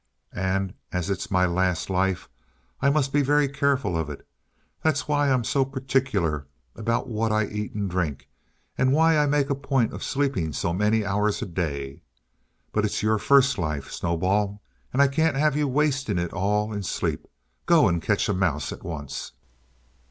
"And as it's my last life, I must be very careful of it. That's why I'm so particular about what I eat and drink, and why I make a point of sleeping so many hours a day. But it's your first life, Snowball, and I can't have you wasting it all in sleep. Go and catch a mouse at once."